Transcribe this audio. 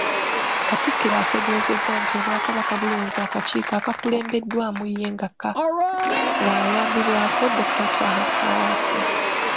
Katikkiro yategeezezza nti Obwakabaka bulonze akakiiko akakulembeddwamu ye ng’ayambibwako Dr. Twaha Kaawaase.